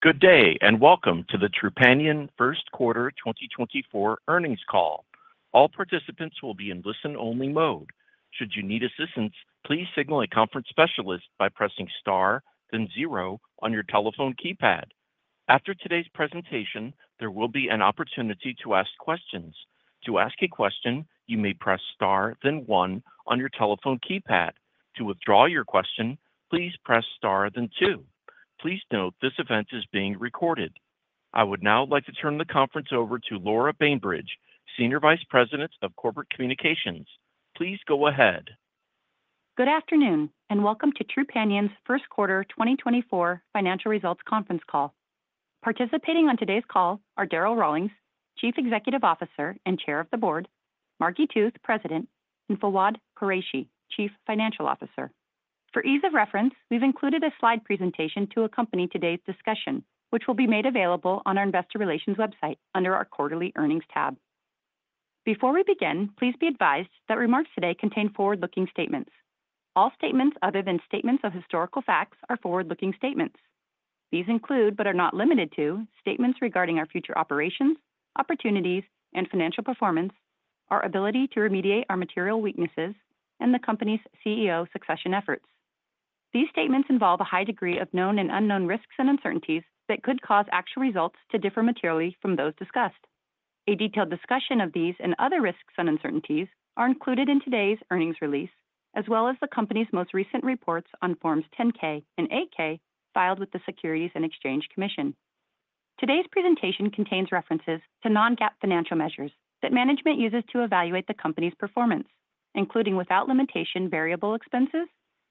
Good day, and welcome to the Trupanion First Quarter 2024 Earnings Call. All participants will be in listen-only mode. Should you need assistance, please signal a conference specialist by pressing star, then zero on your telephone keypad. After today's presentation, there will be an opportunity to ask questions. To ask a question, you may press star, then one on your telephone keypad. To withdraw your question, please press star, then two. Please note, this event is being recorded. I would now like to turn the conference over to Laura Bainbridge, Senior Vice President of Corporate Communications. Please go ahead. Good afternoon, and welcome to Trupanion's First Quarter 2024 Financial Results Conference Call. Participating on today's call are Darryl Rawlings, Chief Executive Officer and Chair of the Board, Margi Tooth, President, and Fawwad Qureshi, Chief Financial Officer. For ease of reference, we've included a slide presentation to accompany today's discussion, which will be made available on our investor relations website under our Quarterly Earnings tab. Before we begin, please be advised that remarks today contain forward-looking statements. All statements other than statements of historical facts are forward-looking statements. These include, but are not limited to, statements regarding our future operations, opportunities, and financial performance, our ability to remediate our material weaknesses, and the company's CEO succession efforts. These statements involve a high degree of known and unknown risks and uncertainties that could cause actual results to differ materially from those discussed. A detailed discussion of these and other risks and uncertainties are included in today's earnings release, as well as the company's most recent reports on Forms 10-K and 8-K filed with the Securities and Exchange Commission. Today's presentation contains references to non-GAAP financial measures that management uses to evaluate the company's performance, including, without limitation, variable expenses,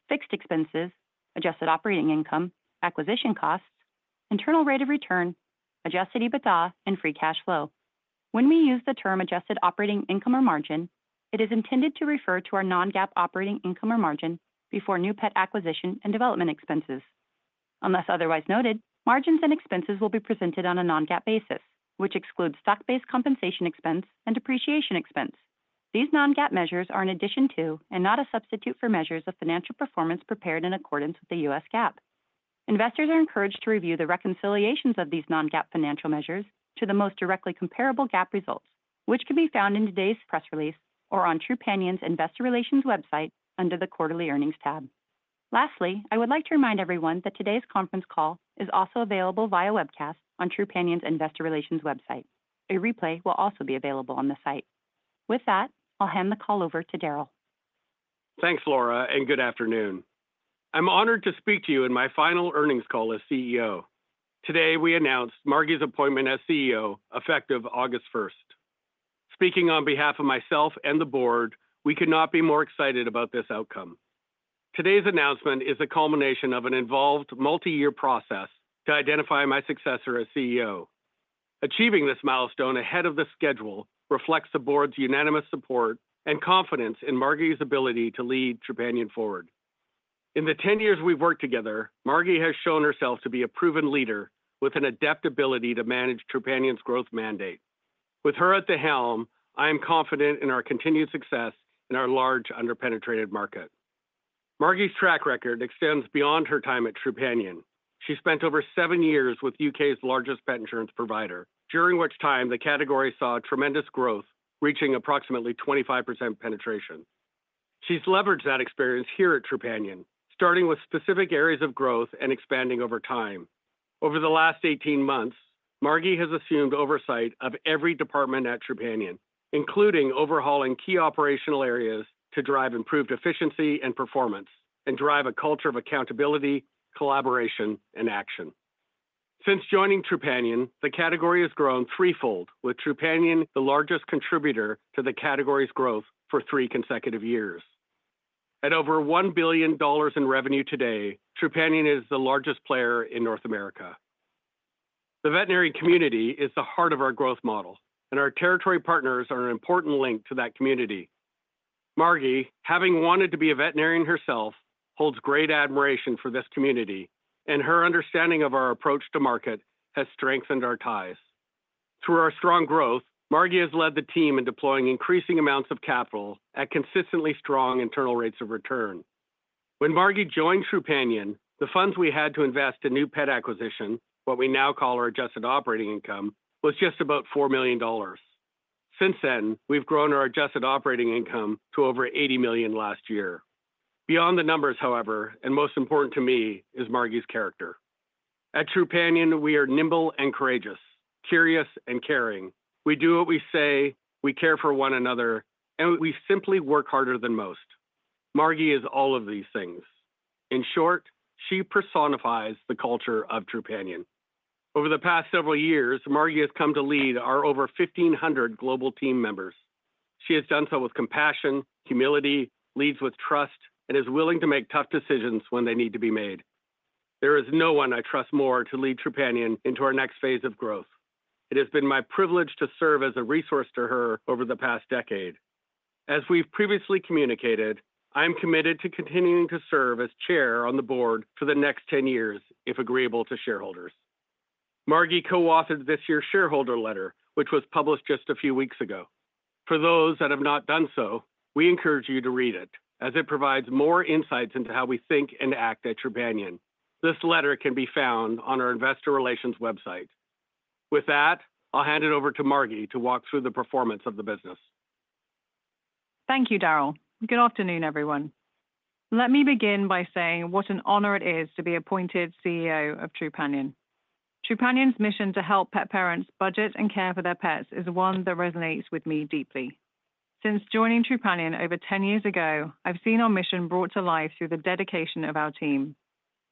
fixed expenses, adjusted operating income, acquisition costs, internal rate of return, adjusted EBITDA, and free cash flow. When we use the term adjusted operating income or margin, it is intended to refer to our non-GAAP operating income or margin before new pet acquisition and development expenses. Unless otherwise noted, margins and expenses will be presented on a non-GAAP basis, which excludes stock-based compensation expense and depreciation expense. These non-GAAP measures are in addition to, and not a substitute for, measures of financial performance prepared in accordance with the U.S. GAAP. Investors are encouraged to review the reconciliations of these non-GAAP financial measures to the most directly comparable GAAP results, which can be found in today's press release or on Trupanion's Investor Relations website under the Quarterly Earnings tab. Lastly, I would like to remind everyone that today's conference call is also available via webcast on Trupanion's Investor Relations website. A replay will also be available on the site. With that, I'll hand the call over to Darryl. Thanks, Laura, and good afternoon. I'm honored to speak to you in my final earnings call as CEO. Today, we announced Margi's appointment as CEO, effective August 1st. Speaking on behalf of myself and the board, we could not be more excited about this outcome. Today's announcement is a culmination of an involved multi-year process to identify my successor as CEO. Achieving this milestone ahead of the schedule reflects the board's unanimous support and confidence in Margi's ability to lead Trupanion forward. In the 10 years we've worked together, Margi has shown herself to be a proven leader with an adept ability to manage Trupanion's growth mandate. With her at the helm, I am confident in our continued success in our large underpenetrated market. Margi's track record extends beyond her time at Trupanion. She spent over seven years with U.K.'s largest pet insurance provider, during which time the category saw tremendous growth, reaching approximately 25% penetration. She's leveraged that experience here at Trupanion, starting with specific areas of growth and expanding over time. Over the last 18 months, Margi has assumed oversight of every department at Trupanion, including overhauling key operational areas to drive improved efficiency and performance, and drive a culture of accountability, collaboration, and action. Since joining Trupanion, the category has grown threefold, with Trupanion the largest contributor to the category's growth for three consecutive years. At over $1 billion in revenue today, Trupanion is the largest player in North America. The veterinary community is the heart of our growth model, and our territory partners are an important link to that community. Margi, having wanted to be a veterinarian herself, holds great admiration for this community, and her understanding of our approach to market has strengthened our ties. Through our strong growth, Margi has led the team in deploying increasing amounts of capital at consistently strong internal rates of return. When Margi joined Trupanion, the funds we had to invest in new pet acquisition, what we now call our adjusted operating income, was just about $4 million. Since then, we've grown our adjusted operating income to over $80 million last year. Beyond the numbers, however, and most important to me, is Margi's character. At Trupanion, we are nimble and courageous, curious and caring. We do what we say, we care for one another, and we simply work harder than most. Margi is all of these things. In short, she personifies the culture of Trupanion. Over the past several years, Margi has come to lead our over 1,500 global team members. She has done so with compassion, humility, leads with trust, and is willing to make tough decisions when they need to be made. There is no one I trust more to lead Trupanion into our next phase of growth. It has been my privilege to serve as a resource to her over the past decade. As we've previously communicated, I am committed to continuing to serve as chair on the board for the next 10 years, if agreeable to shareholders. Margi co-authored this year's shareholder letter, which was published just a few weeks ago.... For those that have not done so, we encourage you to read it, as it provides more insights into how we think and act at Trupanion. This letter can be found on our investor relations website. With that, I'll hand it over to Margi to walk through the performance of the business. Thank you, Darryl. Good afternoon, everyone. Let me begin by saying what an honor it is to be appointed CEO of Trupanion. Trupanion's mission to help pet parents budget and care for their pets is one that resonates with me deeply. Since joining Trupanion over 10 years ago, I've seen our mission brought to life through the dedication of our team.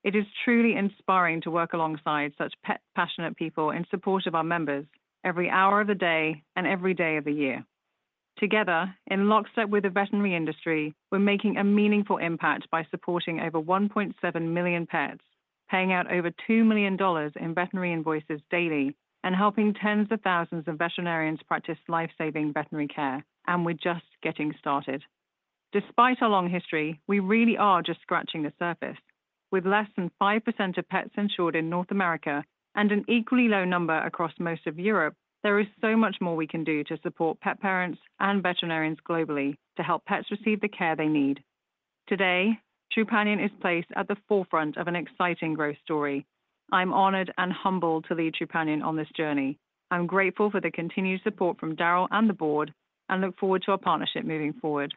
It is truly inspiring to work alongside such pet-passionate people in support of our members every hour of the day and every day of the year. Together, in lockstep with the veterinary industry, we're making a meaningful impact by supporting over 1.7 million pets, paying out over $2 million in veterinary invoices daily, and helping tens of thousands of veterinarians practice life-saving veterinary care, and we're just getting started. Despite our long history, we really are just scratching the surface. With less than 5% of pets insured in North America and an equally low number across most of Europe, there is so much more we can do to support pet parents and veterinarians globally to help pets receive the care they need. Today, Trupanion is placed at the forefront of an exciting growth story. I'm honored and humbled to lead Trupanion on this journey. I'm grateful for the continued support from Darryl and the board and look forward to our partnership moving forward.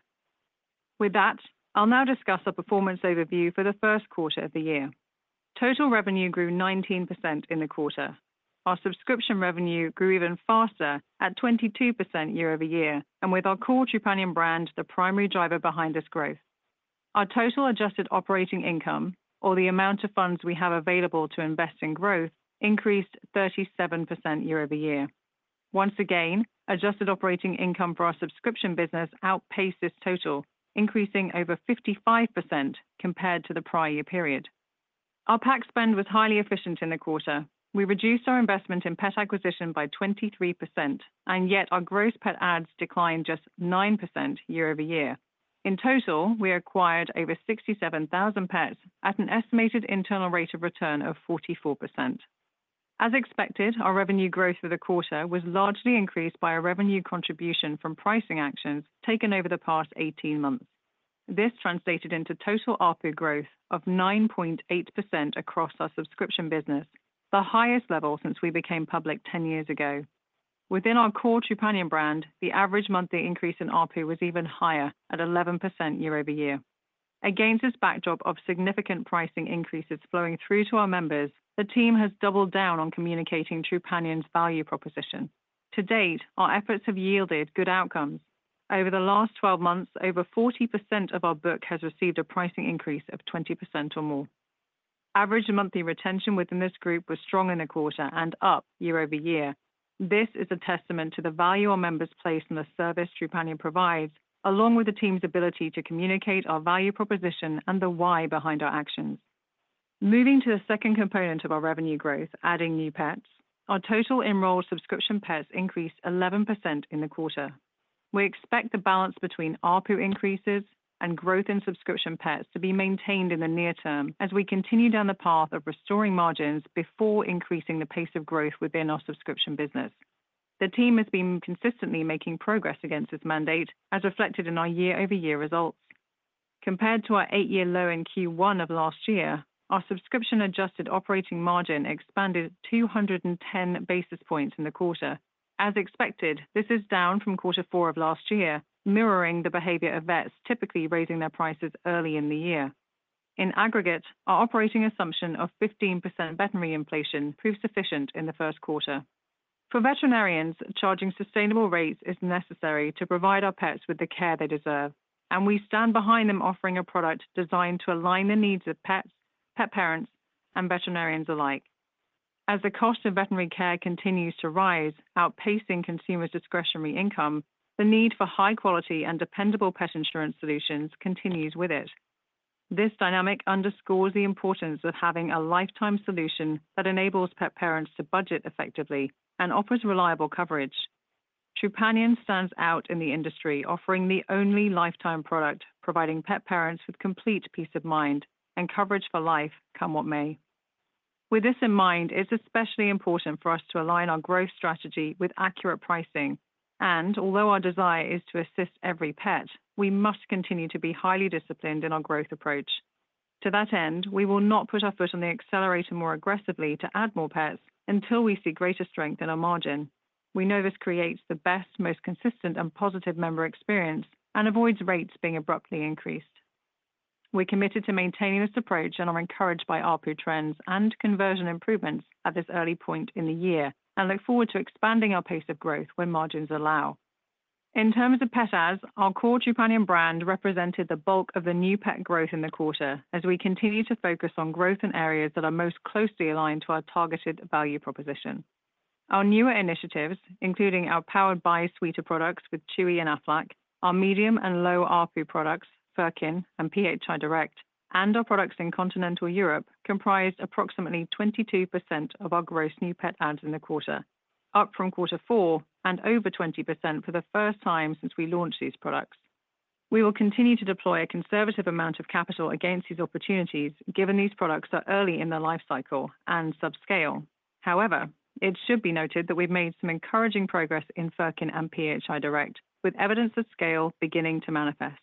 With that, I'll now discuss our performance overview for the first quarter of the year. Total revenue grew 19% in the quarter. Our subscription revenue grew even faster at 22% year-over-year, and with our core Trupanion brand, the primary driver behind this growth. Our total adjusted operating income or the amount of funds we have available to invest in growth increased 37% year-over-year. Once again, adjusted operating income for our subscription business outpaced this total, increasing over 55% compared to the prior year period. Our PAC spend was highly efficient in the quarter. We reduced our investment in pet acquisition by 23%, and yet our gross pet ads declined just 9% year-over-year. In total, we acquired over 67,000 pets at an estimated internal rate of return of 44%. As expected, our revenue growth for the quarter was largely increased by a revenue contribution from pricing actions taken over the past 18 months. This translated into total ARPU growth of 9.8% across our subscription business, the highest level since we became public 10 years ago. Within our core Trupanion brand, the average monthly increase in ARPU was even higher at 11% year-over-year. Against this backdrop of significant pricing increases flowing through to our members, the team has doubled down on communicating Trupanion's value proposition. To date, our efforts have yielded good outcomes. Over the last 12 months, over 40% of our book has received a pricing increase of 20% or more. Average monthly retention within this group was strong in the quarter and up year-over-year. This is a testament to the value our members place in the service Trupanion provides, along with the team's ability to communicate our value proposition and the why behind our actions. Moving to the second component of our revenue growth, adding new pets, our total enrolled subscription pets increased 11% in the quarter. We expect the balance between ARPU increases and growth in subscription pets to be maintained in the near term as we continue down the path of restoring margins before increasing the pace of growth within our subscription business. The team has been consistently making progress against this mandate, as reflected in our year-over-year results. Compared to our 8-year low in Q1 of last year, our subscription adjusted operating margin expanded 210 basis points in the quarter. As expected, this is down from quarter four of last year, mirroring the behavior of vets, typically raising their prices early in the year. In aggregate, our operating assumption of 15% veterinary inflation proved sufficient in the first quarter. For veterinarians, charging sustainable rates is necessary to provide our pets with the care they deserve, and we stand behind them, offering a product designed to align the needs of pets, pet parents, and veterinarians alike. As the cost of veterinary care continues to rise, outpacing consumers' discretionary income, the need for high quality and dependable pet insurance solutions continues with it. This dynamic underscores the importance of having a lifetime solution that enables pet parents to budget effectively and offers reliable coverage. Trupanion stands out in the industry, offering the only lifetime product, providing pet parents with complete peace of mind and coverage for life, come what may. With this in mind, it's especially important for us to align our growth strategy with accurate pricing, and although our desire is to assist every pet, we must continue to be highly disciplined in our growth approach. To that end, we will not put our foot on the accelerator more aggressively to add more pets until we see greater strength in our margin. We know this creates the best, most consistent, and positive member experience and avoids rates being abruptly increased. We're committed to maintaining this approach and are encouraged by ARPU trends and conversion improvements at this early point in the year and look forward to expanding our pace of growth when margins allow. In terms of pet ads, our core Trupanion brand represented the bulk of the new pet growth in the quarter, as we continue to focus on growth in areas that are most closely aligned to our targeted value proposition. Our newer initiatives, including our powered by suite of products with Chewy and Aflac, our medium and low ARPU products, Furkin and PHI Direct, and our products in Continental Europe, comprised approximately 22% of our gross new pet adds in the quarter, up from quarter four and over 20% for the first time since we launched these products. We will continue to deploy a conservative amount of capital against these opportunities, given these products are early in their life cycle and subscale. However, it should be noted that we've made some encouraging progress in Furkin and PHI Direct, with evidence of scale beginning to manifest.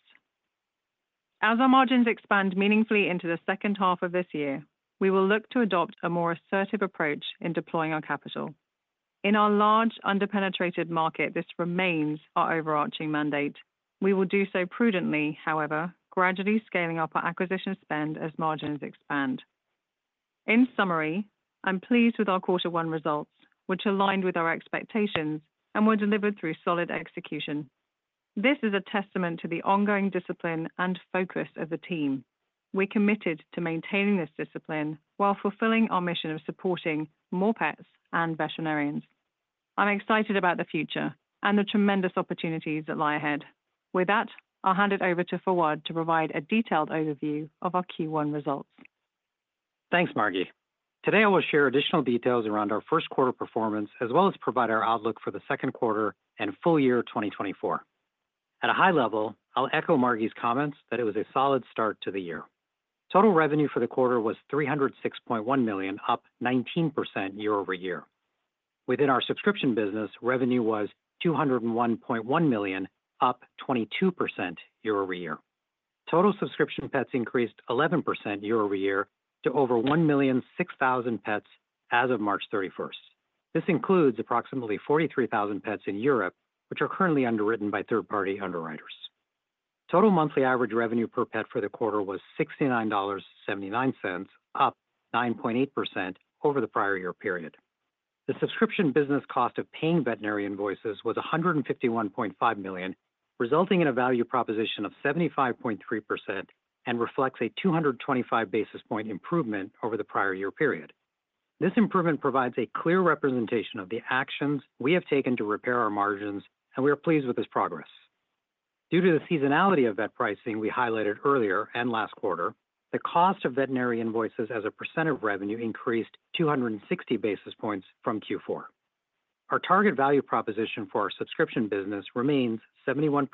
As our margins expand meaningfully into the second half of this year, we will look to adopt a more assertive approach in deploying our capital. In our large, underpenetrated market, this remains our overarching mandate. We will do so prudently, however, gradually scaling up our acquisition spend as margins expand. In summary, I'm pleased with our quarter one results, which aligned with our expectations and were delivered through solid execution. This is a testament to the ongoing discipline and focus of the team. We're committed to maintaining this discipline while fulfilling our mission of supporting more pets and veterinarians. I'm excited about the future and the tremendous opportunities that lie ahead. With that, I'll hand it over to Fawwad to provide a detailed overview of our Q1 results. Thanks, Margi. Today, I will share additional details around our first quarter performance, as well as provide our outlook for the second quarter and full year 2024. At a high level, I'll echo Margi's comments that it was a solid start to the year. Total revenue for the quarter was $306.1 million, up 19% year-over-year. Within our subscription business, revenue was $201.1 million, up 22% year-over-year. Total subscription pets increased 11% year-over-year to over 1,006,000 pets as of March 31st. This includes approximately 43,000 pets in Europe, which are currently underwritten by third-party underwriters. Total monthly average revenue per pet for the quarter was $69.79, up 9.8% over the prior year period. The subscription business cost of paying veterinary invoices was $151.5 million, resulting in a value proposition of 75.3% and reflects a 225 basis point improvement over the prior year period. This improvement provides a clear representation of the actions we have taken to repair our margins, and we are pleased with this progress. Due to the seasonality of that pricing we highlighted earlier and last quarter, the cost of veterinary invoices as a percent of revenue increased 260 basis points from Q4. Our target value proposition for our subscription business remains 71%,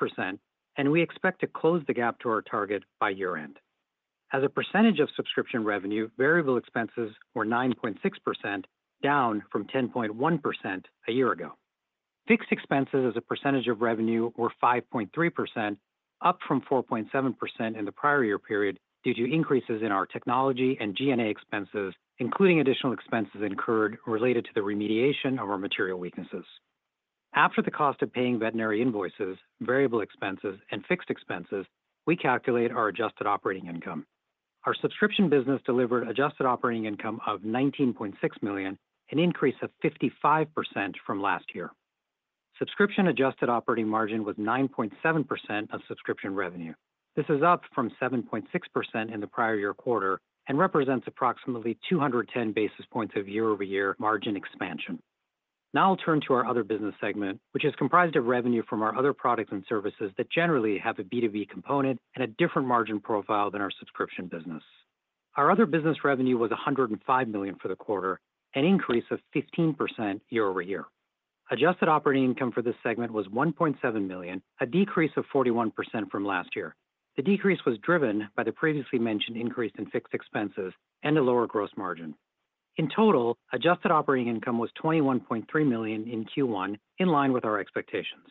and we expect to close the gap to our target by year-end. As a percentage of subscription revenue, variable expenses were 9.6%, down from 10.1% a year ago. Fixed expenses as a percentage of revenue were 5.3%, up from 4.7% in the prior year period, due to increases in our technology and G&A expenses, including additional expenses incurred related to the remediation of our material weaknesses. After the cost of paying veterinary invoices, variable expenses, and fixed expenses, we calculate our adjusted operating income. Our subscription business delivered adjusted operating income of $19.6 million, an increase of 55% from last year. Subscription adjusted operating margin was 9.7% of subscription revenue. This is up from 7.6% in the prior year quarter and represents approximately 210 basis points of year-over-year margin expansion. Now I'll turn to our other business segment, which is comprised of revenue from our other products and services that generally have a B2B component and a different margin profile than our subscription business. Our other business revenue was $105 million for the quarter, an increase of 15% year-over-year. Adjusted Operating Income for this segment was $1.7 million, a decrease of 41% from last year. The decrease was driven by the previously mentioned increase in fixed expenses and a lower gross margin. In total, Adjusted Operating Income was $21.3 million in Q1, in line with our expectations.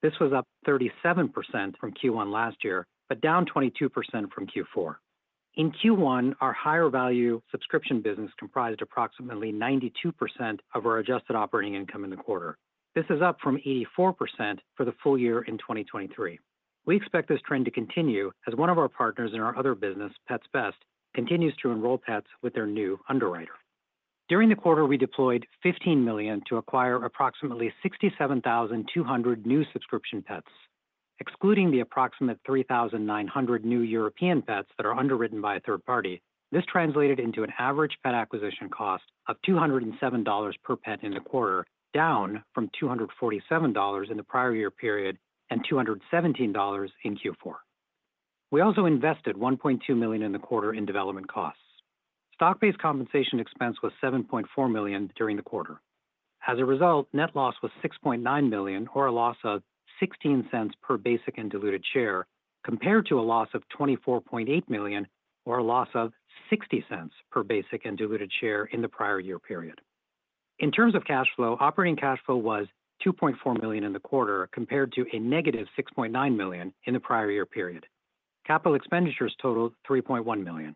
This was up 37% from Q1 last year, but down 22% from Q4. In Q1, our higher value subscription business comprised approximately 92% of our Adjusted Operating Income in the quarter. This is up from 84% for the full year in 2023. We expect this trend to continue as one of our partners in our other business, Pets Best, continues to enroll pets with their new underwriter. During the quarter, we deployed $15 million to acquire approximately 67,200 new subscription pets, excluding the approximate 3,900 new European pets that are underwritten by a third party. This translated into an average pet acquisition cost of $207 per pet in the quarter, down from $247 in the prior year period and $217 in Q4. We also invested $1.2 million in the quarter in development costs. Stock-based compensation expense was $7.4 million during the quarter. As a result, net loss was $6.9 million, or a loss of $0.16 per basic and diluted share, compared to a loss of $24.8 million, or a loss of $0.60 per basic and diluted share in the prior year period. In terms of cash flow, operating cash flow was $2.4 million in the quarter, compared to a -$6.9 million in the prior year period. Capital expenditures totaled $3.1 million.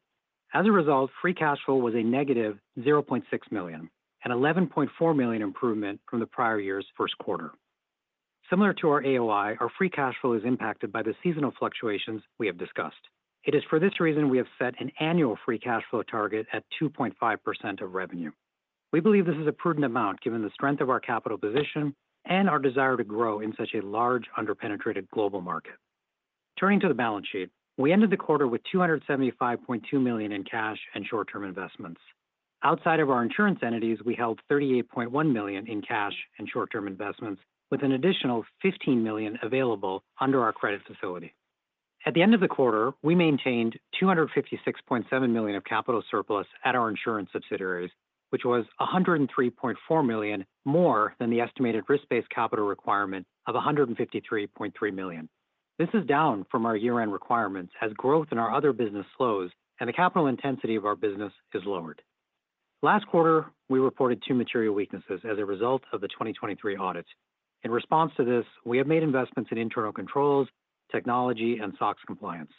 As a result, free cash flow was a -$0.6 million, an $11.4 million improvement from the prior year's first quarter. Similar to our AOI, our free cash flow is impacted by the seasonal fluctuations we have discussed. It is for this reason we have set an annual free cash flow target at 2.5% of revenue. We believe this is a prudent amount, given the strength of our capital position and our desire to grow in such a large, underpenetrated global market. Turning to the balance sheet, we ended the quarter with $275.2 million in cash and short-term investments. Outside of our insurance entities, we held $38.1 million in cash and short-term investments, with an additional $15 million available under our credit facility.... At the end of the quarter, we maintained $256.7 million of capital surplus at our insurance subsidiaries, which was $103.4 million more than the estimated risk-based capital requirement of $153.3 million. This is down from our year-end requirements, as growth in our other business slows and the capital intensity of our business is lowered. Last quarter, we reported two material weaknesses as a result of the 2023 audits. In response to this, we have made investments in internal controls, technology, and SOX compliance.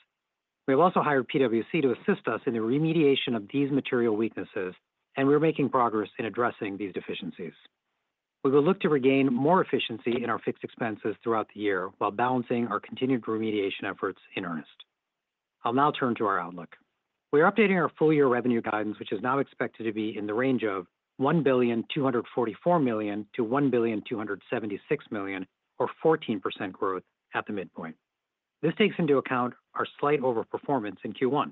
We have also hired PwC to assist us in the remediation of these material weaknesses, and we're making progress in addressing these deficiencies. We will look to regain more efficiency in our fixed expenses throughout the year, while balancing our continued remediation efforts in earnest. I'll now turn to our outlook. We're updating our full-year revenue guidance, which is now expected to be in the range of $1.244 billion-$1.276 billion, or 14% growth at the midpoint. This takes into account our slight overperformance in Q1.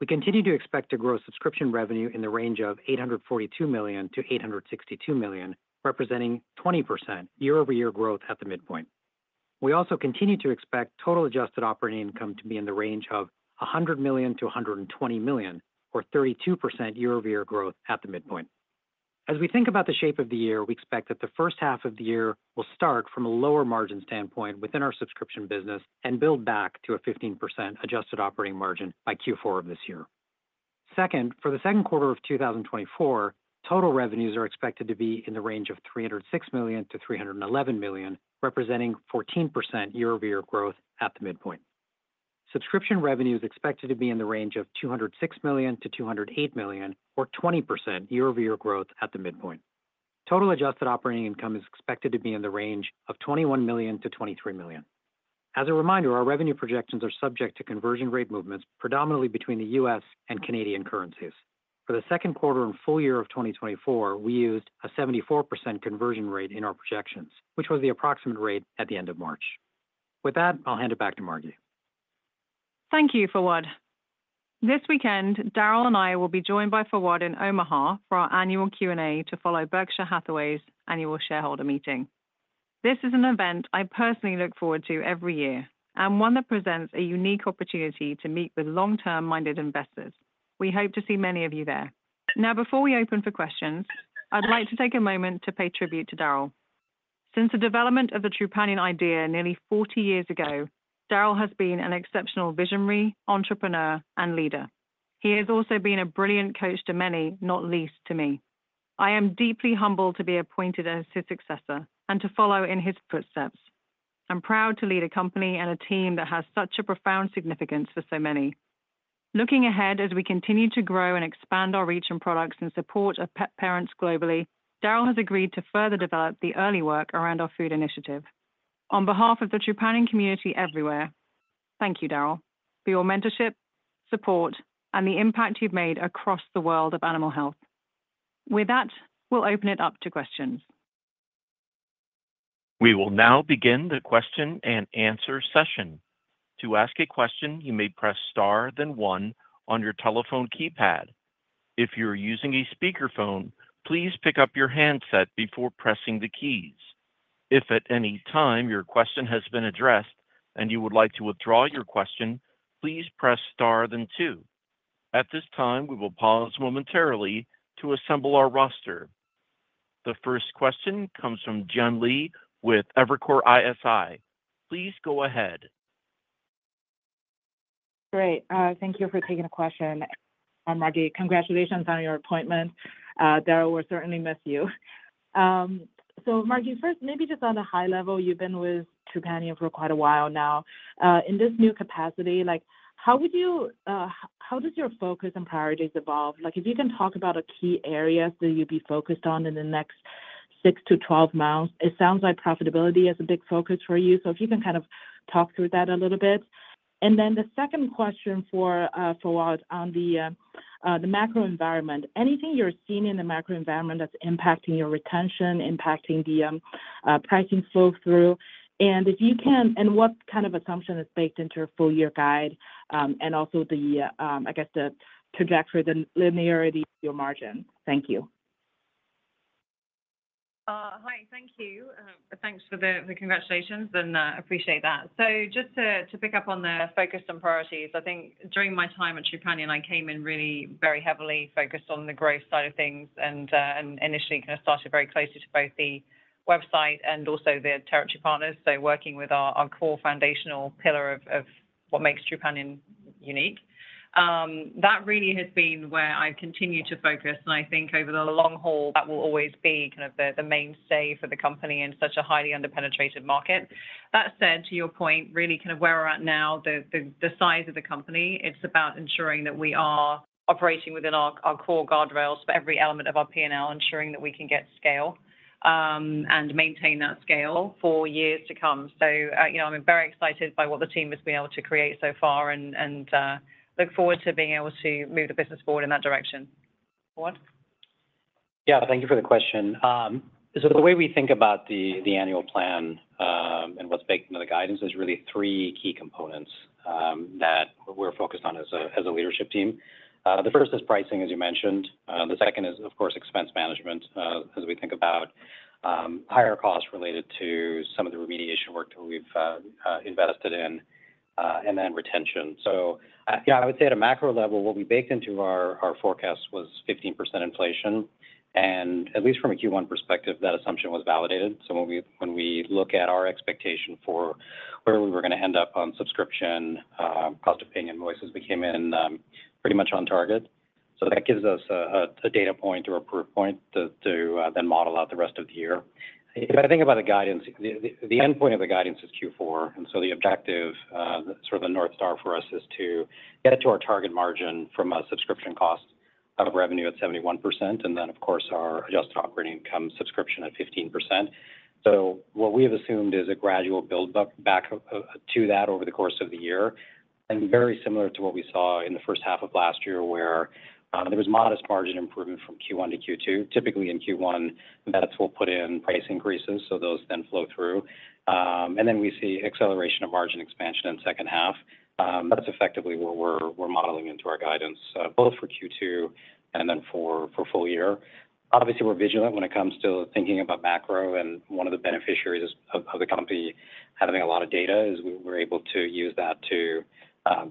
We continue to expect to grow subscription revenue in the range of $842 million-$862 million, representing 20% year-over-year growth at the midpoint. We also continue to expect total adjusted operating income to be in the range of $100 million-$120 million, or 32% year-over-year growth at the midpoint. As we think about the shape of the year, we expect that the first half of the year will start from a lower margin standpoint within our subscription business and build back to a 15% adjusted operating margin by Q4 of this year. Second, for the second quarter of 2024, total revenues are expected to be in the range of $306 million-$311 million, representing 14% year-over-year growth at the midpoint. Subscription revenue is expected to be in the range of $206 million-$208 million, or 20% year-over-year growth at the midpoint. Total adjusted operating income is expected to be in the range of $21 million-$23 million. As a reminder, our revenue projections are subject to conversion rate movements, predominantly between the U.S. and Canadian currencies. For the second quarter and full year of 2024, we used a 74% conversion rate in our projections, which was the approximate rate at the end of March. With that, I'll hand it back to Margi. Thank you, Fawwad. This weekend, Darryl and I will be joined by Fawwad in Omaha for our annual Q&A to follow Berkshire Hathaway's annual shareholder meeting. This is an event I personally look forward to every year, and one that presents a unique opportunity to meet with long-term-minded investors. We hope to see many of you there. Now, before we open for questions, I'd like to take a moment to pay tribute to Darryl. Since the development of the Trupanion idea nearly 40 years ago, Darryl has been an exceptional visionary, entrepreneur, and leader. He has also been a brilliant coach to many, not least to me. I am deeply humbled to be appointed as his successor and to follow in his footsteps. I'm proud to lead a company and a team that has such a profound significance for so many. Looking ahead, as we continue to grow and expand our reach and products in support of pet parents globally, Darryl has agreed to further develop the early work around our food initiative. On behalf of the Trupanion community everywhere, thank you, Darryl, for your mentorship, support, and the impact you've made across the world of animal health. With that, we'll open it up to questions. We will now begin the question and answer session. To ask a question, you may press star, then one on your telephone keypad. If you're using a speakerphone, please pick up your handset before pressing the keys. If at any time your question has been addressed and you would like to withdraw your question, please press star, then two. At this time, we will pause momentarily to assemble our roster. The first question comes from Jian Li with Evercore ISI. Please go ahead. Great. Thank you for taking the question. And Margi, congratulations on your appointment. Darryl, we'll certainly miss you. So Margi, first, maybe just on a high level, you've been with Trupanion for quite a while now. In this new capacity, like, how would you... How does your focus and priorities evolve? Like, if you can talk about a key area that you'd be focused on in the next 6-12 months. It sounds like profitability is a big focus for you, so if you can kind of talk through that a little bit. And then the second question for Fawwad on the macro environment. Anything you're seeing in the macro environment that's impacting your retention, impacting the pricing flow through? And if you can... What kind of assumption is baked into your full year guide, and also the trajectory, the linearity of your margin? Thank you. Hi, thank you. Thanks for the congratulations, and I appreciate that. So just to pick up on the focus on priorities, I think during my time at Trupanion, I came in really very heavily focused on the growth side of things, and initially kind of started very closely to both the website and also the territory partners. So working with our core foundational pillar of what makes Trupanion unique. That really has been where I continue to focus, and I think over the long haul, that will always be kind of the mainstay for the company in such a highly underpenetrated market. That said, to your point, really kind of where we're at now, the size of the company, it's about ensuring that we are operating within our core guardrails for every element of our P&L, ensuring that we can get scale and maintain that scale for years to come. So, you know, I'm very excited by what the team has been able to create so far and look forward to being able to move the business forward in that direction. Fawwad? Yeah, thank you for the question. So the way we think about the annual plan and what's baked into the guidance is really three key components that we're focused on as a leadership team. The first is pricing, as you mentioned. The second is, of course, expense management, as we think about-... higher costs related to some of the remediation work that we've invested in, and then retention. So, yeah, I would say at a macro level, what we baked into our forecast was 15% inflation, and at least from a Q1 perspective, that assumption was validated. So when we look at our expectation for where we were gonna end up on subscription cost of paying invoices, we came in pretty much on target. So that gives us a data point or a proof point to then model out the rest of the year. If I think about the guidance, the endpoint of the guidance is Q4, and so the objective, sort of the North Star for us, is to get it to our target margin from a subscription cost of revenue at 71%, and then, of course, our adjusted operating income subscription at 15%. So what we have assumed is a gradual build back to that over the course of the year, and very similar to what we saw in the first half of last year, there was modest margin improvement from Q1 to Q2. Typically, in Q1, vets will put in price increases, so those then flow through. And then we see acceleration of margin expansion in second half. That's effectively what we're modeling into our guidance, both for Q2 and then for full year. Obviously, we're vigilant when it comes to thinking about macro, and one of the beneficiaries of the company having a lot of data is we're able to use that to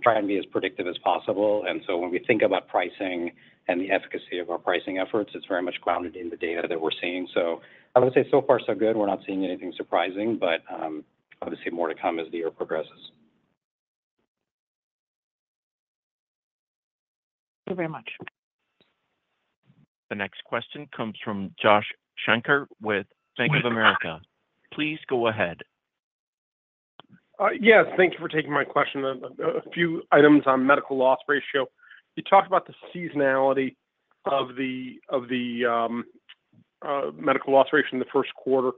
try and be as predictive as possible. And so when we think about pricing and the efficacy of our pricing efforts, it's very much grounded in the data that we're seeing. So I would say, so far, so good. We're not seeing anything surprising, but obviously more to come as the year progresses. Thank you very much. The next question comes from Josh Shanker with Bank of America. Please go ahead. Yes, thank you for taking my question. A few items on medical loss ratio. You talked about the seasonality of the medical loss ratio in the first quarter.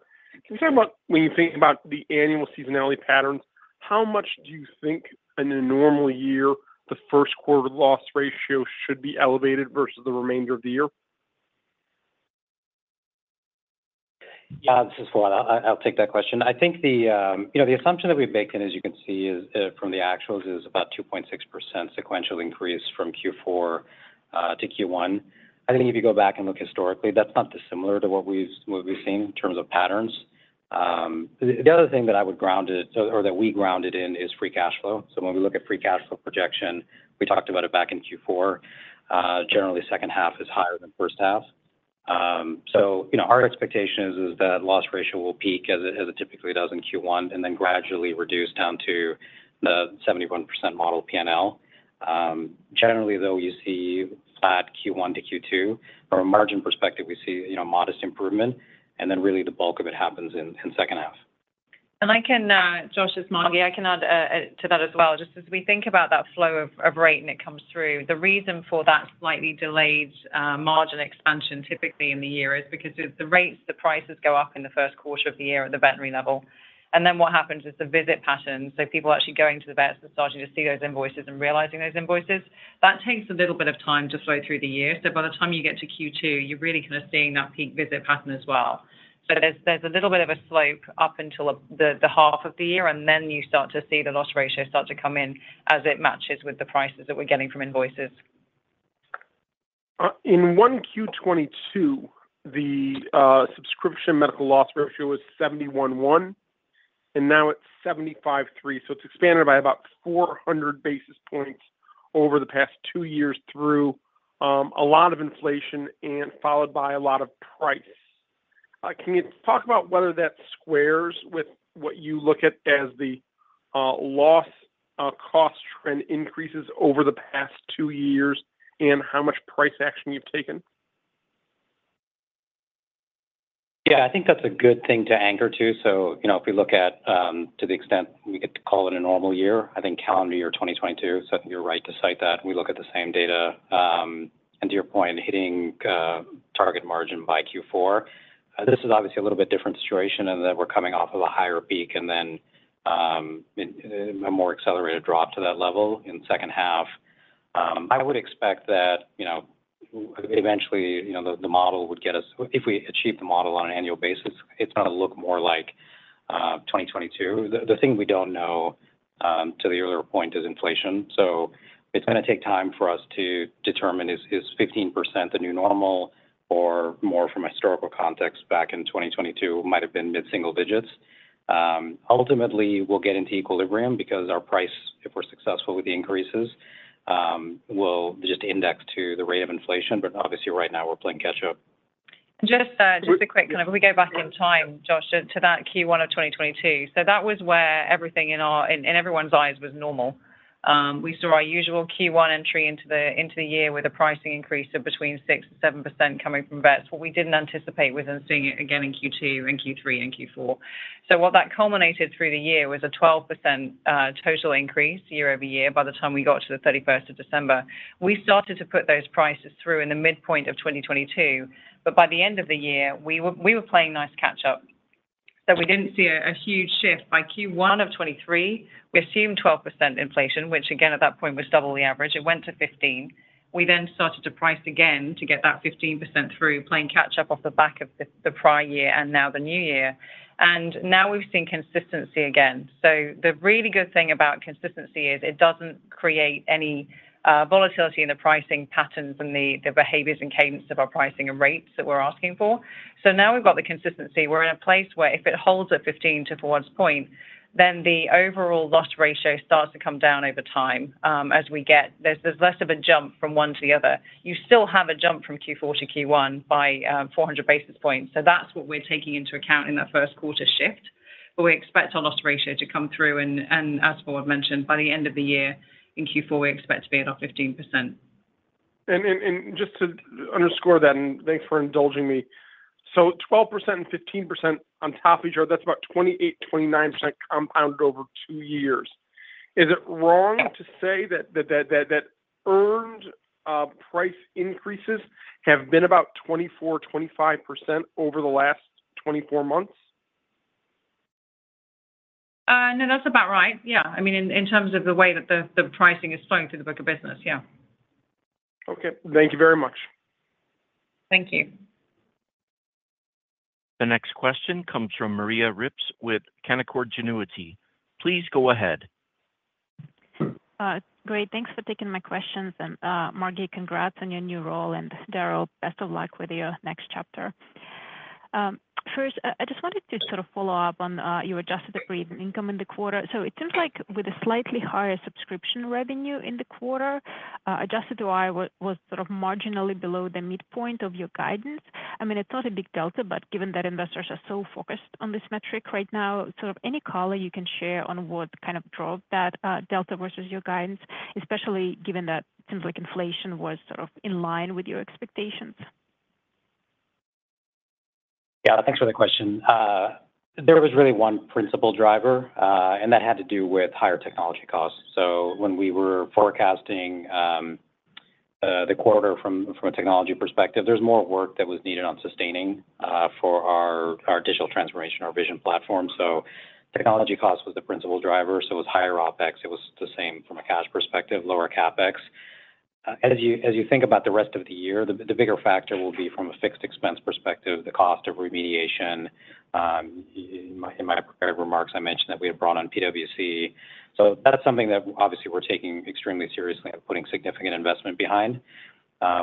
Can you tell me what, when you think about the annual seasonality patterns, how much do you think in a normal year, the first quarter loss ratio should be elevated versus the remainder of the year? Yeah, this is Fawwad. I, I'll take that question. I think the, you know, the assumption that we've baked in, as you can see, is, from the actuals, is about 2.6% sequential increase from Q4 to Q1. I think if you go back and look historically, that's not dissimilar to what we've, what we've seen in terms of patterns. The other thing that I would ground it, or that we grounded in, is free cash flow. So when we look at free cash flow projection, we talked about it back in Q4, generally, second half is higher than first half. So, you know, our expectation is that loss ratio will peak, as it typically does in Q1, and then gradually reduce down to the 71% model PNL. Generally, though, you see flat Q1 to Q2, from a margin perspective, we see, you know, modest improvement, and then really the bulk of it happens in second half. I can, Josh, it's Margi. I can add to that as well. Just as we think about that flow of rate, and it comes through, the reason for that slightly delayed margin expansion typically in the year is because the rates, the prices go up in the first quarter of the year at the veterinary level. And then what happens is the visit patterns, so people actually going to the vets and starting to see those invoices and realizing those invoices, that takes a little bit of time to flow through the year. So by the time you get to Q2, you're really kind of seeing that peak visit pattern as well. So there's a little bit of a slope up until the half of the year, and then you start to see the loss ratio start to come in as it matches with the prices that we're getting from invoices. In 1Q 2022, the subscription medical loss ratio was 71.1, and now it's 75.3. So it's expanded by about 400 basis points over the past two years through a lot of inflation and followed by a lot of price. Can you talk about whether that squares with what you look at as the loss cost trend increases over the past two years and how much price action you've taken? Yeah, I think that's a good thing to anchor to. So, you know, if we look at, to the extent we get to call it a normal year, I think calendar year 2022, so I think you're right to cite that. We look at the same data, and to your point, hitting target margin by Q4. This is obviously a little bit different situation in that we're coming off of a higher peak and then, a more accelerated drop to that level in second half. I would expect that, you know, eventually, you know, the model would get us... If we achieve the model on an annual basis, it's gonna look more like 2022. The thing we don't know, to the earlier point, is inflation. So it's gonna take time for us to determine, is 15% the new normal, or more from a historical context, back in 2022, might have been mid-single digits. Ultimately, we'll get into equilibrium because our price, if we're successful with the increases, will just index to the rate of inflation, but obviously, right now, we're playing catch up. Just, just a quick, kind of, we go back in time, Josh, to that Q1 of 2022. So that was where everything in our, in everyone's eyes was normal. We saw our usual Q1 entry into the, into the year with a pricing increase of between 6%-7% coming from vets. What we didn't anticipate was then seeing it again in Q2 and Q3 and Q4. So what that culminated through the year was a 12%, total increase year-over-year by the time we got to the December 31st. We started to put those prices through in the midpoint of 2022, but by the end of the year, we were playing nice catch up. So we didn't see a huge shift. By Q1 of 2023, we assumed 12% inflation, which again, at that point, was double the average. It went to 15%. We then started to price again to get that 15% through, playing catch up off the back of the prior year and now the new year. And now we've seen consistency again. So the really good thing about consistency is it doesn't create any volatility in the pricing patterns and the behaviors and cadence of our pricing and rates that we're asking for. So now we've got the consistency. We're in a place where if it holds at 15%, to Jun's point,... then the overall loss ratio starts to come down over time, as there's less of a jump from one to the other. You still have a jump from Q4 to Q1 by 400 basis points, so that's what we're taking into account in that first quarter shift. But we expect our loss ratio to come through, and as Paul mentioned, by the end of the year, in Q4, we expect to be at our 15%. Just to underscore that, and thanks for indulging me. So 12% and 15% on top of each other, that's about 28%-29% compounded over two years. Is it wrong to say that earned price increases have been about 24%-25% over the last 24 months? No, that's about right. Yeah. I mean, in terms of the way that the pricing is flowing through the book of business, yeah. Okay. Thank you very much. Thank you. The next question comes from Maria Ripps with Canaccord Genuity. Please go ahead. Great. Thanks for taking my questions. And, Margi, congrats on your new role, and Darryl, best of luck with your next chapter. First, I just wanted to sort of follow up on your adjusted operating income in the quarter. So it seems like with a slightly higher subscription revenue in the quarter, adjusted OI was sort of marginally below the midpoint of your guidance. I mean, it's not a big delta, but given that investors are so focused on this metric right now, sort of any color you can share on what kind of drove that delta versus your guidance, especially given that it seems like inflation was sort of in line with your expectations? Yeah, thanks for the question. There was really one principal driver, and that had to do with higher technology costs. So when we were forecasting, the quarter from, from a technology perspective, there's more work that was needed on sustaining, for our, our digital transformation, our vision platform. So technology cost was the principal driver, so it was higher OpEx. It was the same from a cash perspective, lower CapEx. As you, as you think about the rest of the year, the, the bigger factor will be from a fixed expense perspective, the cost of remediation. In my, in my prepared remarks, I mentioned that we have brought on PwC. So that is something that obviously we're taking extremely seriously and putting significant investment behind,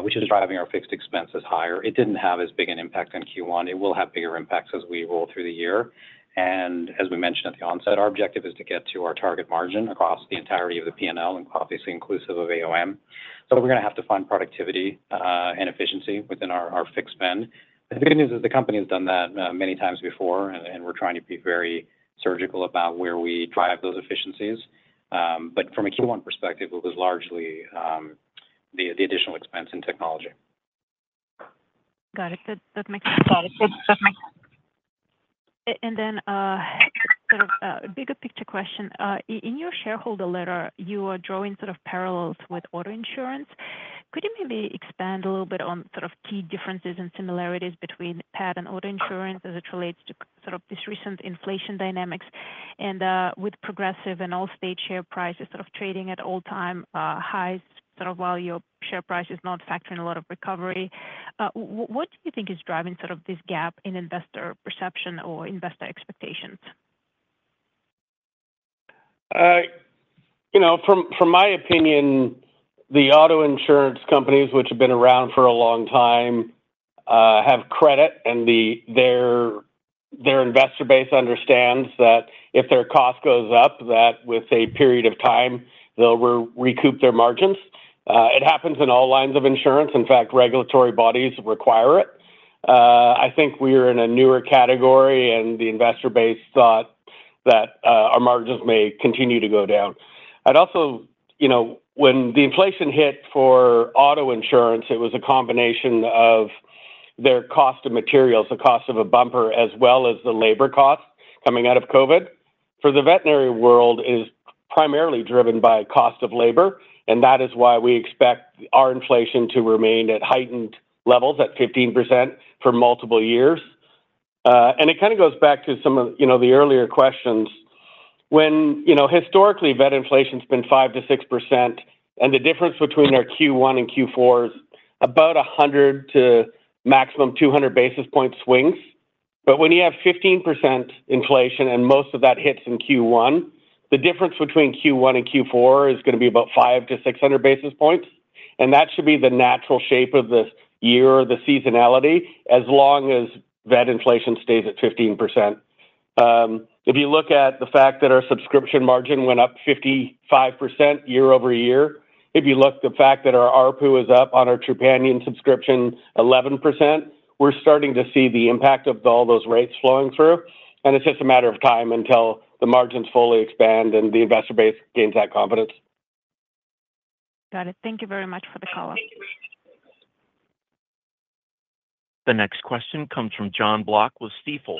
which is driving our fixed expenses higher. It didn't have as big an impact on Q1. It will have bigger impacts as we roll through the year. As we mentioned at the onset, our objective is to get to our target margin across the entirety of the P&L, and obviously inclusive of AOM. So we're gonna have to find productivity, and efficiency within our fixed spend. The good news is the company has done that, many times before, and we're trying to be very surgical about where we drive those efficiencies. But from a Q1 perspective, it was largely the additional expense in technology. Got it. That makes sense. Got it. And then, sort of a bigger picture question. In your shareholder letter, you are drawing sort of parallels with auto insurance. Could you maybe expand a little bit on sort of key differences and similarities between pet and auto insurance as it relates to sort of this recent inflation dynamics? And, with Progressive and Allstate share prices sort of trading at all-time highs, sort of while your share price is not factoring a lot of recovery, what do you think is driving sort of this gap in investor perception or investor expectations? You know, from my opinion, the auto insurance companies, which have been around for a long time, have credit, and their investor base understands that if their cost goes up, that with a period of time, they'll recoup their margins. It happens in all lines of insurance. In fact, regulatory bodies require it. I think we are in a newer category, and the investor base thought that our margins may continue to go down. I'd also... You know, when the inflation hit for auto insurance, it was a combination of their cost of materials, the cost of a bumper, as well as the labor costs coming out of COVID. For the veterinary world, it is primarily driven by cost of labor, and that is why we expect our inflation to remain at heightened levels, at 15%, for multiple years. And it kind of goes back to some of, you know, the earlier questions. When, you know, historically, vet inflation's been 5%-6%, and the difference between our Q1 and Q4 is about 100 to maximum 200 basis point swings. But when you have 15% inflation, and most of that hits in Q1, the difference between Q1 and Q4 is gonna be about 500-600 basis points, and that should be the natural shape of the year or the seasonality as long as vet inflation stays at 15%. If you look at the fact that our subscription margin went up 55% year-over-year, if you look at the fact that our ARPU is up on our Trupanion subscription 11%, we're starting to see the impact of all those rates flowing through, and it's just a matter of time until the margins fully expand and the investor base gains that confidence. Got it. Thank you very much for the call. The next question comes from Jon Block with Stifel.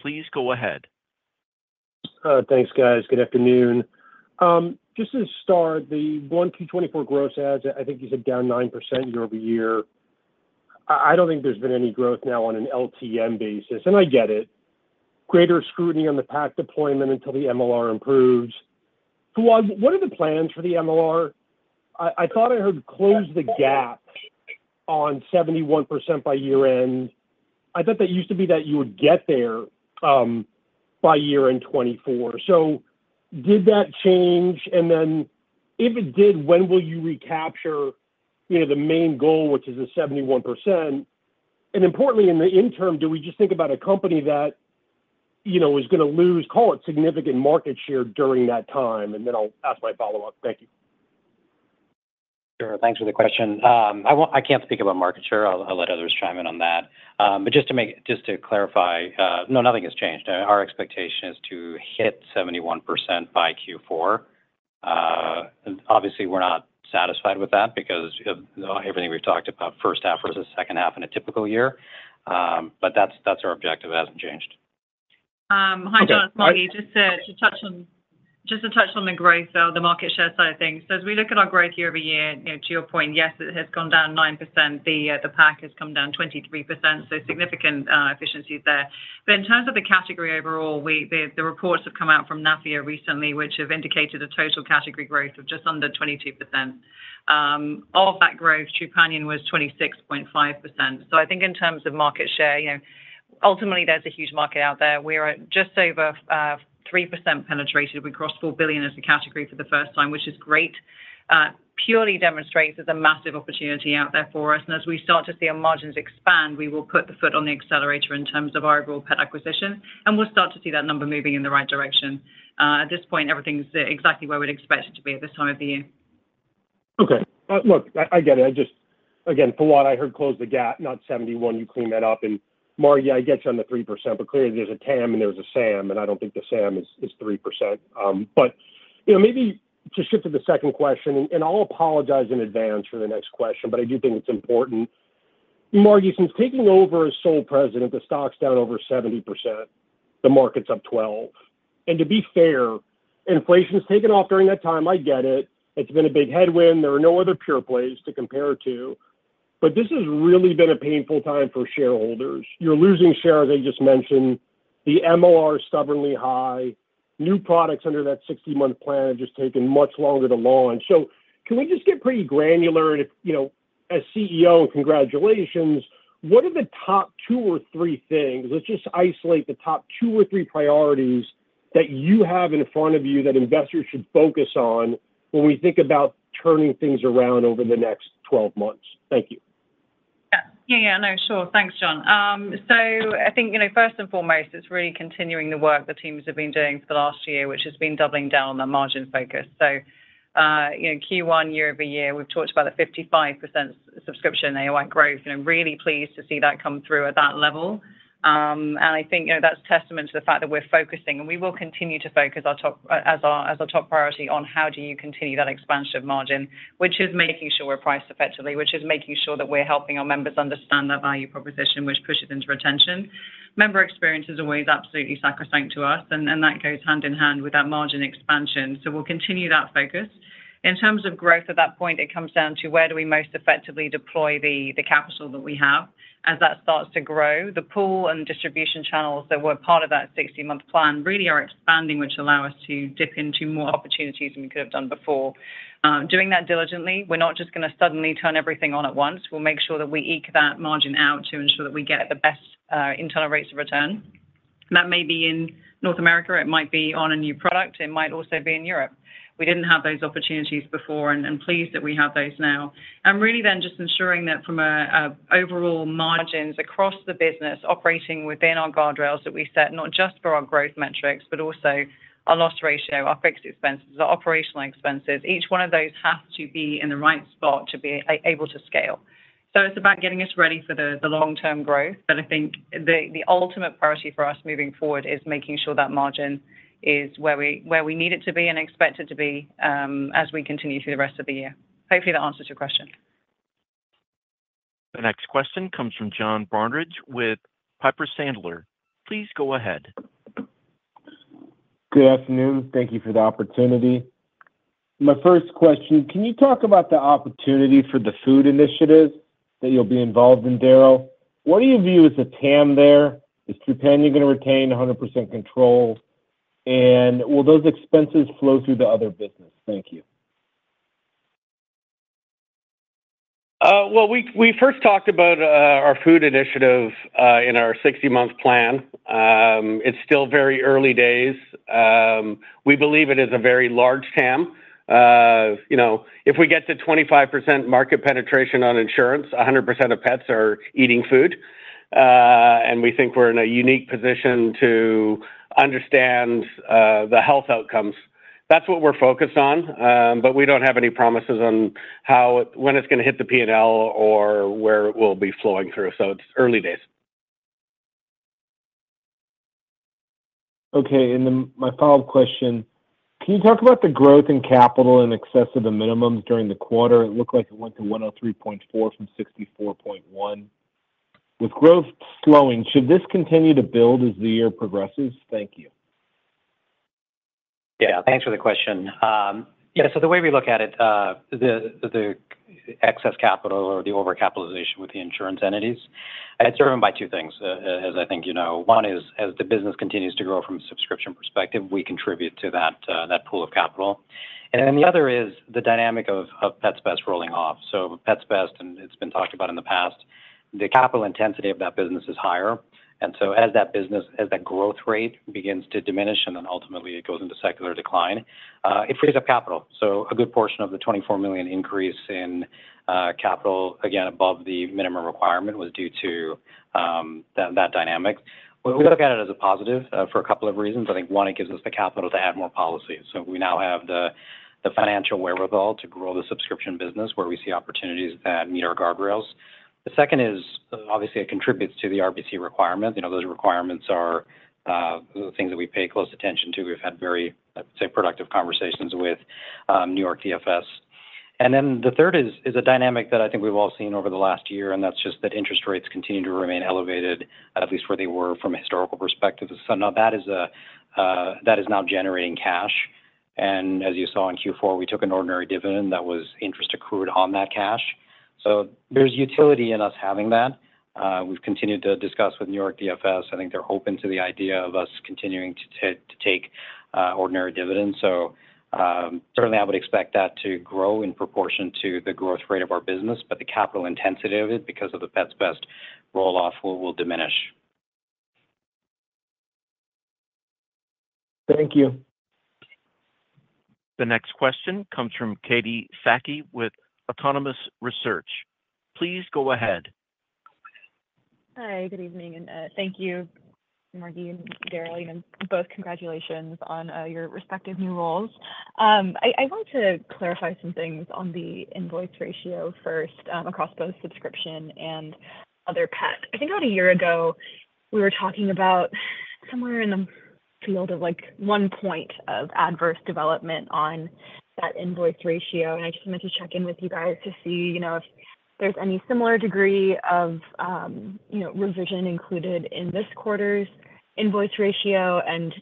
Please go ahead. Thanks, guys. Good afternoon. Just to start, the 1Q 2024 gross adds, I think you said down 9% year-over-year. I don't think there's been any growth now on an LTM basis, and I get it. Greater scrutiny on the PAC deployment until the MLR improves. So, what are the plans for the MLR? I thought I heard close the gap on 71% by year-end. I thought that used to be that you would get there by year-end 2024. So did that change? And then if it did, when will you recapture, you know, the main goal, which is the 71%? And importantly, in the interim, do we just think about a company that, you know, is gonna lose, call it, significant market share during that time? And then I'll ask my follow-up. Thank you. Sure. Thanks for the question. I can't speak about market share. I'll let others chime in on that. But just to clarify, no, nothing has changed. Our expectation is to hit 71% by Q4. Obviously, we're not satisfied with that because everything we've talked about, first half versus second half in a typical year, but that's our objective. It hasn't changed. Hi, John, it's Margi. Just to touch on the growth of the market share side of things. So as we look at our growth year-over-year, you know, to your point, yes, it has gone down 9%. The PAC has come down 23%, so significant efficiencies there. But in terms of the category overall, the reports have come out from NAPHIA recently, which have indicated a total category growth of just under 22%. Of that growth, Trupanion was 26.5%. So I think in terms of market share, you know, ultimately, there's a huge market out there. We're at just over 3% penetration. We crossed $4 billion as a category for the first time, which is great. Purely demonstrates there's a massive opportunity out there for us. As we start to see our margins expand, we will put the foot on the accelerator in terms of our overall pet acquisition, and we'll start to see that number moving in the right direction. At this point, everything's exactly where we'd expect it to be at this time of the year. Okay. Look, I, I get it. I just... Again, Fawwad, I heard, "Close the gap," not 71%. You cleaned that up. And Margi, I get you on the 3%, but clearly, there's a TAM and there's a SAM, and I don't think the SAM is, is 3%. But, you know, maybe just shift to the second question, and, and I'll apologize in advance for the next question, but I do think it's important. Margi, since taking over as sole president, the stock's down over 70%, the market's up 12%. And to be fair, inflation has taken off during that time. I get it. It's been a big headwind. There are no other pure plays to compare it to, but this has really been a painful time for shareholders. You're losing share, as I just mentioned, the MLR is stubbornly high, new products under that 60-month plan are just taking much longer to launch. So can we just get pretty granular? You know, as CEO, congratulations, what are the top two or three things, let's just isolate the top two or three priorities that you have in front of you that investors should focus on when we think about turning things around over the next 12 months? Thank you. Yeah. Yeah, yeah, I know. Sure. Thanks, John. So I think, you know, first and foremost, it's really continuing the work the teams have been doing for the last year, which has been doubling down on the margin focus. So, you know, Q1 year-over-year, we've talked about a 55% subscription AOI growth, and I'm really pleased to see that come through at that level. And I think, you know, that's testament to the fact that we're focusing, and we will continue to focus our top priority on how do you continue that expansion of margin, which is making sure we're priced effectively, which is making sure that we're helping our members understand that value proposition, which pushes into retention. Member experience is always absolutely sacrosanct to us, and that goes hand in hand with that margin expansion. So we'll continue that focus. In terms of growth, at that point, it comes down to where do we most effectively deploy the capital that we have. As that starts to grow, the pool and distribution channels that were part of that 60-month plan really are expanding, which allow us to dip into more opportunities than we could have done before. Doing that diligently, we're not just gonna suddenly turn everything on at once. We'll make sure that we eke that margin out to ensure that we get the best internal rates of return. That may be in North America, it might be on a new product, it might also be in Europe. We didn't have those opportunities before, and pleased that we have those now. Really then just ensuring that from an overall margins across the business, operating within our guardrails that we set, not just for our growth metrics, but also our loss ratio, our fixed expenses, our operational expenses, each one of those have to be in the right spot to be able to scale. So it's about getting us ready for the long-term growth. But I think the ultimate priority for us moving forward is making sure that margin is where we need it to be and expect it to be, as we continue through the rest of the year. Hopefully, that answers your question. The next question comes from John Barnidge with Piper Sandler. Please go ahead. Good afternoon. Thank you for the opportunity. My first question, can you talk about the opportunity for the food initiatives that you'll be involved in, Darryl? What do you view as a TAM there? Is Trupanion gonna retain 100% control? And will those expenses flow through the other business? Thank you. Well, we first talked about our food initiative in our 60-month plan. It's still very early days. We believe it is a very large TAM. You know, if we get to 25% market penetration on insurance, 100% of pets are eating food. And we think we're in a unique position to understand the health outcomes. That's what we're focused on, but we don't have any promises on how it—when it's gonna hit the P&L or where it will be flowing through. So it's early days. Okay, and then my follow-up question: Can you talk about the growth in capital in excess of the minimums during the quarter? It looked like it went to $103.4 from $64.1. With growth slowing, should this continue to build as the year progresses? Thank you. Yeah, thanks for the question. Yeah, so the way we look at it, the excess capital or the overcapitalization with the insurance entities, it's driven by two things, as I think you know. One is, as the business continues to grow from a subscription perspective, we contribute to that pool of capital. And then the other is the dynamic of Pets Best rolling off. So Pets Best, and it's been talked about in the past, the capital intensity of that business is higher. And so as that business, as that growth rate begins to diminish, and then ultimately it goes into secular decline, it frees up capital. So a good portion of the $24 million increase in capital, again, above the minimum requirement was due to that dynamic. We look at it as a positive for a couple of reasons. I think, one, it gives us the capital to add more policies. So we now have the financial wherewithal to grow the subscription business, where we see opportunities that meet our guardrails. The second is, obviously, it contributes to the RBC requirement. You know, those requirements are the things that we pay close attention to. We've had very, I'd say, productive conversations with New York DFS. And then the third is a dynamic that I think we've all seen over the last year, and that's just that interest rates continue to remain elevated, at least where they were from a historical perspective. So now that is a, that is now generating cash, and as you saw in Q4, we took an ordinary dividend that was interest accrued on that cash. So there's utility in us having that. We've continued to discuss with New York DFS. I think they're open to the idea of us continuing to take ordinary dividends. So, certainly I would expect that to grow in proportion to the growth rate of our business, but the capital intensity of it, because of the Pets Best roll-off, will diminish. Thank you. The next question comes from Katie Sakys with Autonomous Research. Please go ahead. Hi, good evening, and thank you, Margi and Darryl, and both congratulations on your respective new roles. I want to clarify some things on the invoice ratio first, across both subscription and other pet. I think about a year ago, we were talking about somewhere in the field of, like, one point of adverse development on that invoice ratio, and I just wanted to check in with you guys to see, you know, if there's any similar degree of, you know, revision included in this quarter's invoice ratio.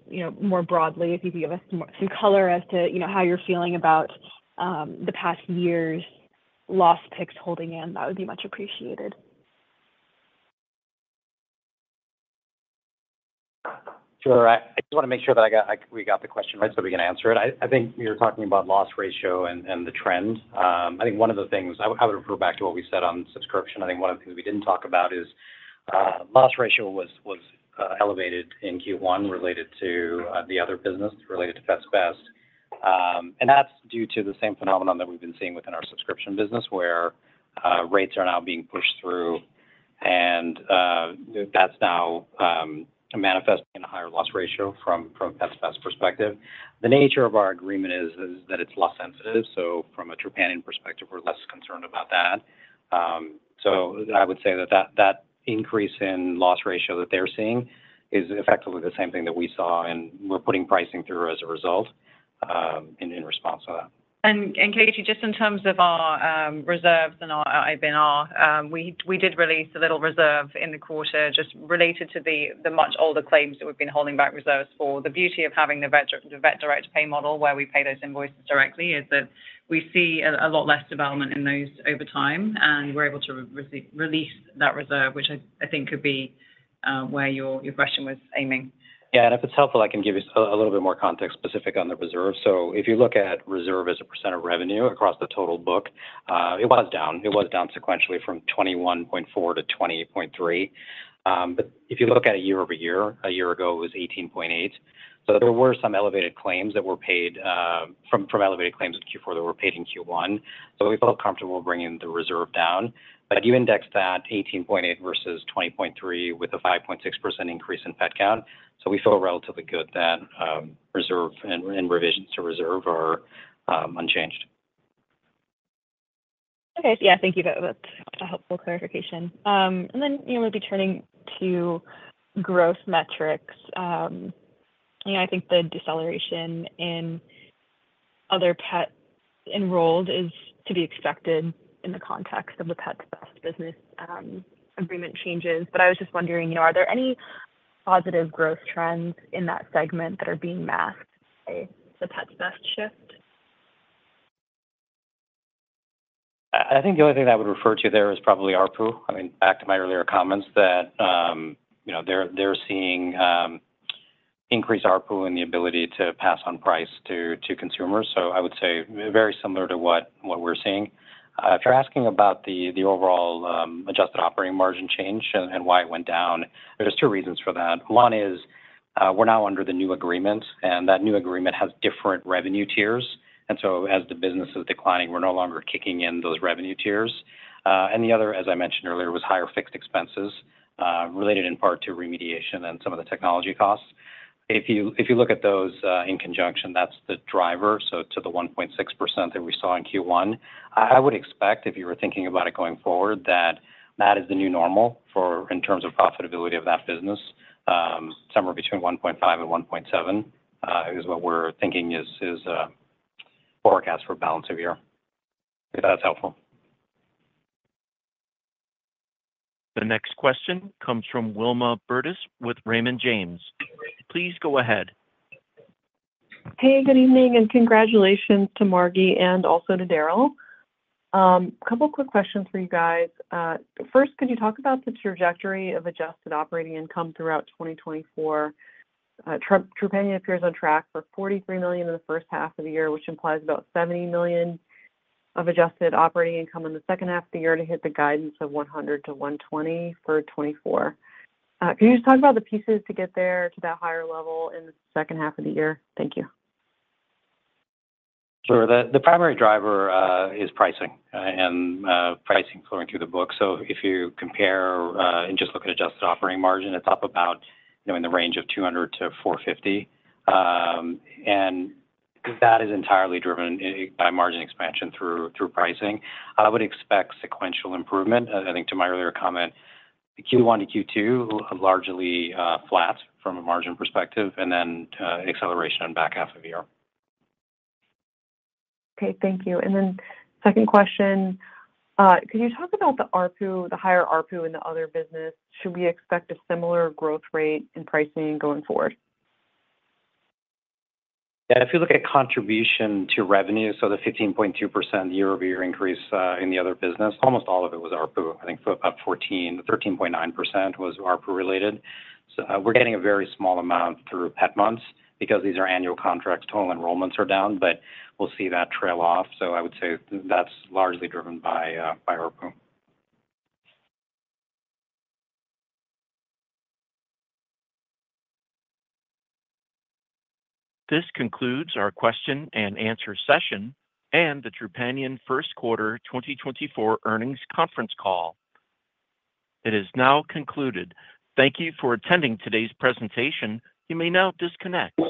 You know, more broadly, if you could give us some color as to, you know, how you're feeling about the past year's loss picks holding in, that would be much appreciated. Sure. I just wanna make sure that we got the question right, so we can answer it. I think you're talking about loss ratio and the trend. I think one of the things... I would refer back to what we said on subscription. I think one of the things we didn't talk about is loss ratio was elevated in Q1 related to the other business, related to Pets Best. And that's due to the same phenomenon that we've been seeing within our subscription business, where rates are now being pushed through, and that's now manifesting in a higher loss ratio from Pets Best perspective. The nature of our agreement is that it's less sensitive, so from a Trupanion perspective, we're less concerned about that. I would say that increase in loss ratio that they're seeing is effectively the same thing that we saw, and we're putting pricing through as a result, and in response to that. Katie, just in terms of our reserves and our IBNR, we did release a little reserve in the quarter, just related to the much older claims that we've been holding back reserves for. The beauty of having the Vet Direct Pay model, where we pay those invoices directly, is that we see a lot less development in those over time, and we're able to re-release that reserve, which I think could be where your question was aiming. Yeah, and if it's helpful, I can give you a little bit more context specific on the reserve. So if you look at reserve as a % of revenue across the total book, it was down. It was down sequentially from 21.4-20.3. But if you look at it year-over-year, a year ago, it was 18.8. So there were some elevated claims that were paid from elevated claims in Q4 that were paid in Q1, so we felt comfortable bringing the reserve down. But if you index that 18.8 versus 20.3, with a 5.6% increase in pet count, so we feel relatively good that reserve and revisions to reserve are unchanged. Okay. Yeah, thank you. That, that's a helpful clarification. And then, you know, maybe turning to growth metrics, you know, I think the deceleration in other pet enrolled is to be expected in the context of the Pets Best business agreement changes. But I was just wondering, you know, are there any positive growth trends in that segment that are being masked by the Pets Best shift? I think the only thing I would refer to there is probably ARPU. I mean, back to my earlier comments that you know, they're seeing increased ARPU and the ability to pass on price to consumers. So I would say very similar to what we're seeing. If you're asking about the overall adjusted operating margin change and why it went down, there's two reasons for that. One is, we're now under the new agreement, and that new agreement has different revenue tiers, and so as the business is declining, we're no longer kicking in those revenue tiers. And the other, as I mentioned earlier, was higher fixed expenses related in part to remediation and some of the technology costs. If you look at those in conjunction, that's the driver, so to the 1.6% that we saw in Q1, I would expect, if you were thinking about it going forward, that that is the new normal for... in terms of profitability of that business. Somewhere between 1.5% and 1.7% is what we're thinking is forecast for balance of year. If that's helpful. The next question comes from Wilma Burdis with Raymond James. Please go ahead. Hey, good evening, and congratulations to Margi and also to Darryl. A couple quick questions for you guys. First, could you talk about the trajectory of adjusted operating income throughout 2024? Trupanion appears on track for $43 million in the first half of the year, which implies about $70 million of adjusted operating income in the second half of the year to hit the guidance of $100 million-$120 million for 2024. Can you just talk about the pieces to get there to that higher level in the second half of the year? Thank you. Sure. The primary driver is pricing and pricing flowing through the book. So if you compare and just look at adjusted operating margin, it's up about, you know, in the range of 200-450. And that is entirely driven by margin expansion through pricing. I would expect sequential improvement. I think to my earlier comment, Q1 to Q2 are largely flat from a margin perspective, and then acceleration on back half of the year. Okay, thank you. And then second question: could you talk about the ARPU, the higher ARPU and the other business? Should we expect a similar growth rate in pricing going forward? Yeah, if you look at contribution to revenue, so the 15.2% year-over-year increase in the other business, almost all of it was ARPU. I think about 14, 13.9% was ARPU-related. So, we're getting a very small amount through pet months because these are annual contracts. Total enrollments are down, but we'll see that trail off. So I would say that's largely driven by, by ARPU. This concludes our question and answer session and the Trupanion First Quarter 2024 Earnings Conference Call. It is now concluded. Thank you for attending today's presentation. You may now disconnect.